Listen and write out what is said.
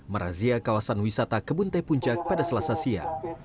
merazia kawasan wisata kebun teh puncak pada selasa siang